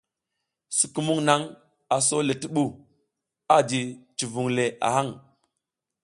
Sukumung nang aso le ti bu, a ji civing le a hang.